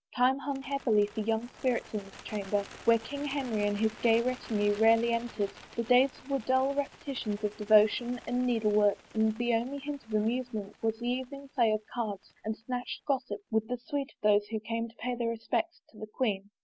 Time hung heavily for young spirits in this chamber where King Henry and his gay retinue rarely entered ; the days were dull repetitions of devotion and needle work and the only hint of amusement was the evening play of cards and a snatched gossip with the suite of those who came to pay their respects to the queen.